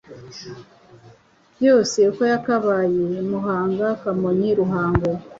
yose uko yakabaye (Muhanga, Kamonyi, Ruhango)